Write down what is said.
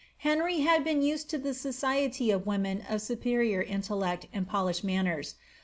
Henry had been used to the society of women of superior intellect and polished manners.